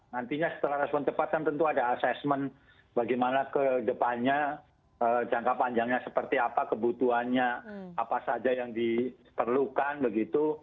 nantinya setelah respon cepat kan tentu ada assessment bagaimana ke depannya jangka panjangnya seperti apa kebutuhannya apa saja yang diperlukan begitu